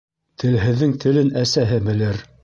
Телһеҙҙең телен әсәһе белер.